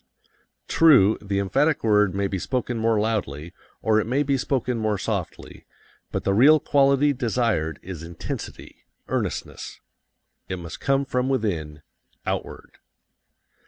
True, the emphatic word may be spoken more loudly, or it may be spoken more softly, but the real quality desired is intensity, earnestness. It must come from within, outward.